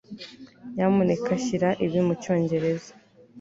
Nyamuneka shyira ibi mucyongereza